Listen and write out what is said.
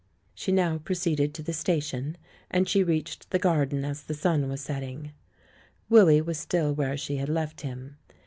She now proceeded to the station, and she reached the garden as the sun was setting. Willy was still where she had left him.